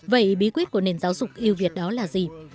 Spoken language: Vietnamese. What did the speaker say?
vậy bí quyết của nền giáo dục yêu việt đó là gì